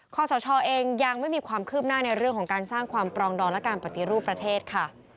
สชเองยังไม่มีความคืบหน้าในเรื่องของการสร้างความปรองดองและการปฏิรูปประเทศค่ะ